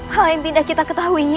hal yang tidak kita ketahui ini